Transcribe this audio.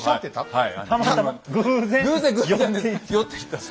はい。